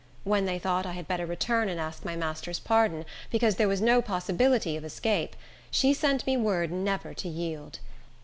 When they thought I had better return and ask my master's pardon, because there was no possibility of escape, she sent me word never to yield.